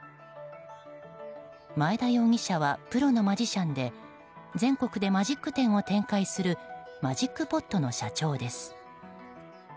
前田容疑者はプロのマジシャンで全国でマジック店を展開するマジックポットの社長です。